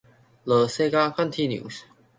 The Saga Continues.